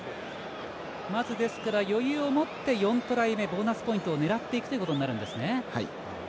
まず余裕を持って４トライ目ボーナスポイントを狙っていくということになるんですね。